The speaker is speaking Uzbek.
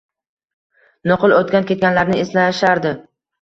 Nuqul o‘tgan-ketganlarni eslashardi.